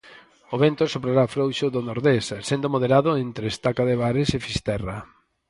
O vento soprará frouxo do nordés, sendo moderado entre Estaca de Bares e Fisterra.